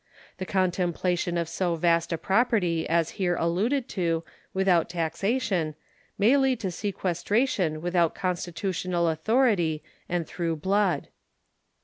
The contemplation of so vast a property as here alluded to, without taxation, may lead to sequestration without constitutional authority and through blood.